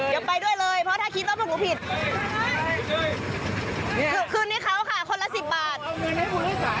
จะไปด้วยเลยเดี๋ยวไปด้วยเลยเพราะถ้าคิดว่าพวกหนูผิด